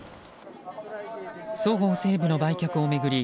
そごう・西武の売却を巡り